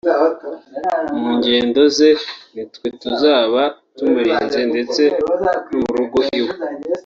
mu ngendo ze nitwe tuzaba tumurinze ndetse no mu rugo iwe